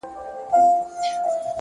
• په خپل عقل او په پوهه دنیادار یې -